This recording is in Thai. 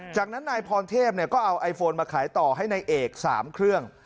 จากนั้นนายพรเทพก็เอาไอโฟนมาขายต่อให้นายเอก๓เครื่อง